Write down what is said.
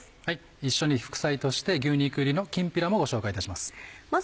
一緒に副菜として牛肉入りのきんぴらもご紹介いたします。